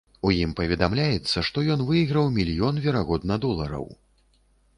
У ім паведамляецца, што ён выйграў мільён, верагодна, долараў.